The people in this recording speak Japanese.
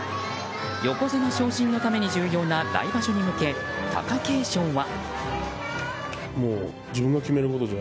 横綱昇進のために重要な来場所に向け貴景勝は。